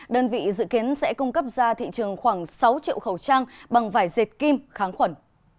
đơn vị dự kiến sẽ cung cấp ra thị trường khoảng sáu triệu khẩu trang bằng vải dệt kim kháng khuẩn